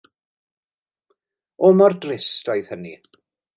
O mor drist oedd hynny.